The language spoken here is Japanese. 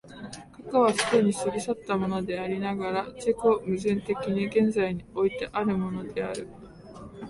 過去は既に過ぎ去ったものでありながら、自己矛盾的に現在においてあるものである。